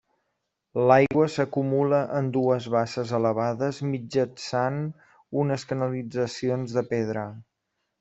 L'aigua s'acumula en dues basses elevades mitjançant unes canalitzacions de pedra.